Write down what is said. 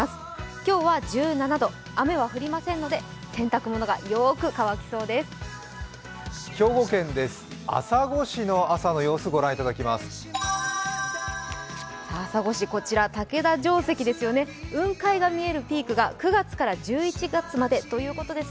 今日は１７度、雨は降りませんので洗濯物がよく乾きそうです。